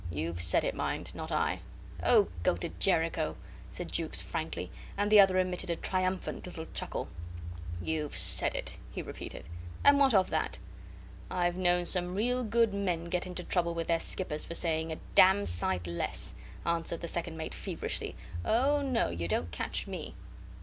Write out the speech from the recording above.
"You've said it, mind not I." "Oh, go to Jericho!" said Jukes, frankly; and the other emitted a triumphant little chuckle. "You've said it," he repeated. "And what of that?" "I've known some real good men get into trouble with their skippers for saying a dam' sight less," answered the second mate feverishly. "Oh, no! You don't catch me."